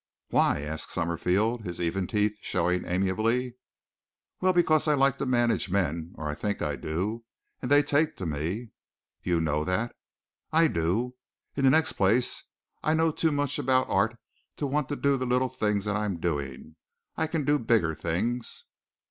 "Why?" asked Summerfield, his even teeth showing amiably. "Well, because I like to manage men, or I think I do. And they take to me." "You know that?" "I do. In the next place I know too much about art to want to do the little things that I'm doing. I can do bigger things."